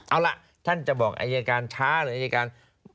เอาล่ะท่านจะบอกอายการช้าหรืออายการ